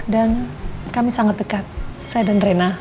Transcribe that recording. dan kami sangat dekat saya dan rena